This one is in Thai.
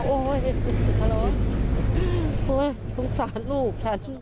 โอ้โฮสงสารลูก